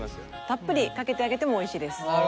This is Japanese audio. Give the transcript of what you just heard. たっぷりかけてあげてもおいしいです。